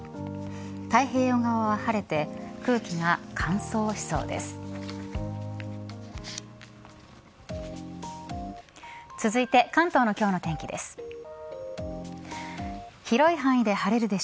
太平洋側は晴れて空気が乾燥しそうです。